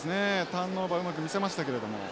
ターンオーバーうまく見せましたけれども。